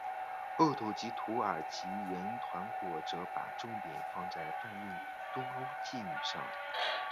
后者即土耳其人团伙则把重点放在贩运东欧妓女上。